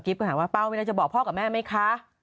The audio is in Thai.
ก็ถามว่าเป้ามีอะไรจะบอกพ่อกับแม่ไหมคะ